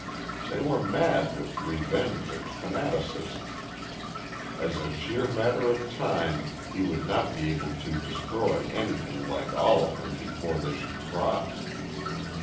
They were mad with revenge and fanaticism. As a sheer matter of time he would not be able to destroy anything like all of them before they should cross.